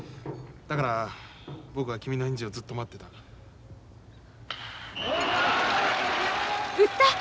だから僕は君の返事をずっと待ってたんだ。